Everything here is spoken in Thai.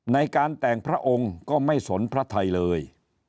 ในการแต่งพระองค์ก็ไม่สนพระไทยเลย